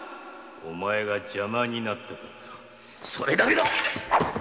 お前が邪魔になったからそれだけだ！